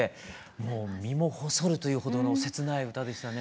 もう身も細るというほどの切ない歌でしたね。